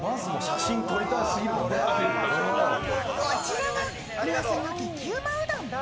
こちらがうわさの激うまうどん。